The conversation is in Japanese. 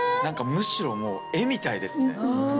むしろ絵みたいですね。